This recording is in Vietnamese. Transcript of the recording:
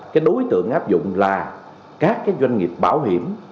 cái đối tượng áp dụng là các cái doanh nghiệp bảo hiểm